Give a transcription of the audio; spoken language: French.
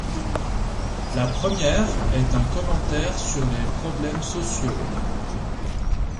La première est un commentaire sur les problèmes sociaux.